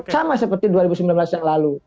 sama seperti dua ribu sembilan belas yang lalu